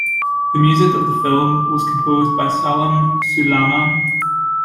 The music of the film was composed by Salim-Sulaiman.